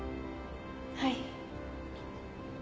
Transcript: はい。